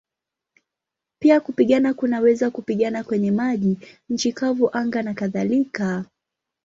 Pia kupigana kunaweza kupigana kwenye maji, nchi kavu, anga nakadhalika.